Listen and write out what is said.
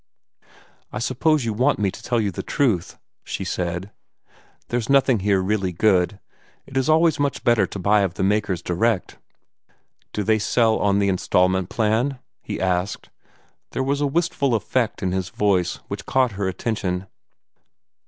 "I suppose you want me to tell you the truth," she said. "There's nothing here really good. It is always much better to buy of the makers direct." "Do they sell on the instalment plan?" he asked. There was a wistful effect in his voice which caught her attention.